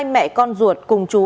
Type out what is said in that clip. hai mẹ con ruột cùng trú